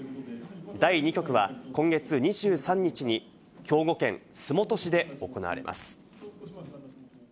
第２局は今月２３日に兵庫県洲本市で行われます。